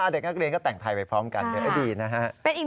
เด็กนักเรียนก็แต่งไทยไปพร้อมกันดีนะฮะ